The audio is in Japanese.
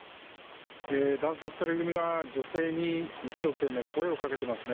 男性２人組が、女性に一生懸命、声をかけていますね。